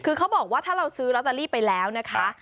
คือเขาบอกว่าถ้าเราซื้อลอตเตอรี่ไปแล้วนะคะ